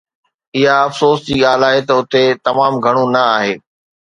اها افسوس جي ڳالهه آهي ته اتي تمام گهڻو نه آهي